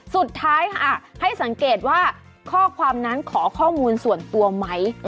สุดท้ายค่ะให้สังเกตว่าข้อความนั้นขอข้อมูลส่วนตัวไหม